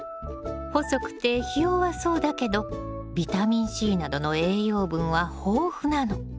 細くてひ弱そうだけどビタミンＣなどの栄養分は豊富なの。